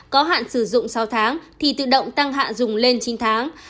có hạn sử dụng sáu tháng thì tự động tăng hạ dùng lên chín tháng